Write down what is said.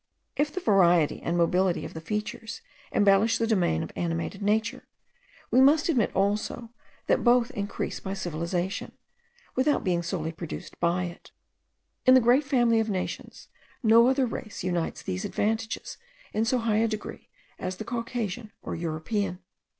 If the variety and mobility of the features embellish the domain of animated nature, we must admit also, that both increase by civilization, without being solely produced by it. In the great family of nations, no other race unites these advantages in so high a degree as the Caucasian or European.